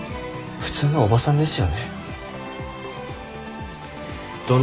普通のおばさんですよ